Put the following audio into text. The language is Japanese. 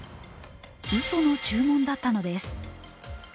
うその注文だったのです。